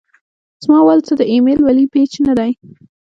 زما وال څۀ د اېمل ولي پېج نۀ دے